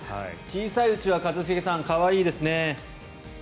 小さいうちは一茂さん、可愛いですね。